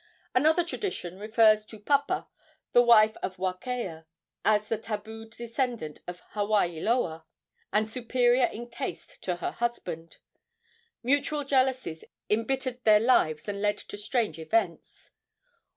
Another tradition refers to Papa, the wife of Wakea, as a tabued descendant of Hawaii loa, and superior in caste to her husband. Mutual jealousies embittered their lives and led to strange events.